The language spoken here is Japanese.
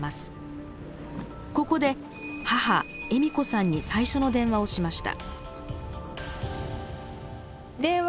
ここで母栄美子さんに最初の電話をしました。